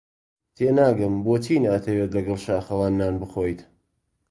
تێناگەم بۆچی ناتەوێت لەگەڵ شاخەوان نان بخۆیت.